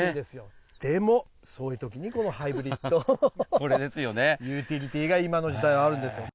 でもそういうときにこのハイブリッド、ユーティリティーが今の時代はあるんですよ。